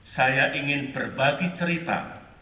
saya ingin berbagi cerita